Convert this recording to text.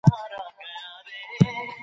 سالم خوراک انرژي ساتي.